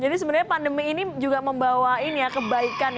jadi sebenarnya pandemi ini juga membawain ya kebaikan